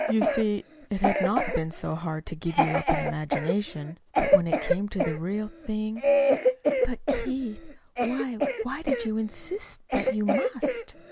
You see, it had not been so hard to give you up in imagination; but when it came to the real thing " "But, Keith, why why did you insist that you must?"